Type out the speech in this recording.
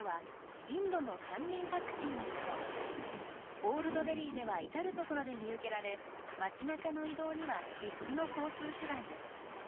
オールドデリーでは至る所で見受けられ街なかの移動には必須の交通手段です。